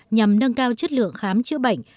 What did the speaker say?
nhằm nâng cao chất lượng khám chữa bệnh